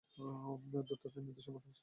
Duterte নির্দিষ্ট মতাদর্শের রাজনীতি করেন না।